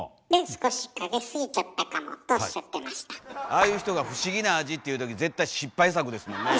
ああいう人が「不思議な味」って言う時絶対失敗作ですもんね。